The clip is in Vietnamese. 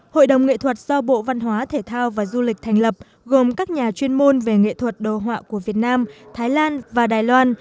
hội đồng nghệ thuật do bộ văn hóa thể thao và du lịch thành lập gồm các nhà chuyên môn về nghệ thuật đồ họa của việt nam thái lan và đài loan